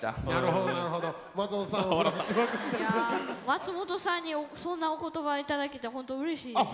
松本さんにそんなお言葉頂けて本当うれしいです。